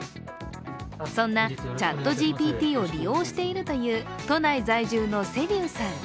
そんなＣｈａｔＧＰＴを利用しているという都内在住の芹生さん。